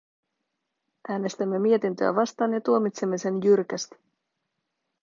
Äänestämme mietintöä vastaan ja tuomitsemme sen jyrkästi.